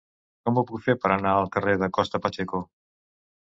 Com ho puc fer per anar al carrer de Costa Pacheco?